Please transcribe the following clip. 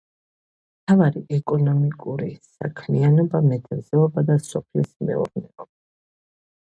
მთავარი ეკონომიკური საქმიანობაა მეთევზეობა და სოფლის მეურნეობა.